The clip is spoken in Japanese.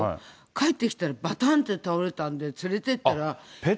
帰ってきたら、ばたんって倒れたんで、連れてったら。